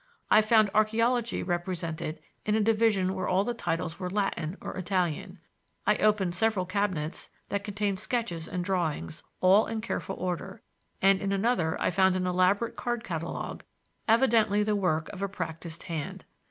I found archaeology represented in a division where all the titles were Latin or Italian. I opened several cabinets that contained sketches and drawings, all in careful order; and in another I found an elaborate card catalogue, evidently the work of a practised hand.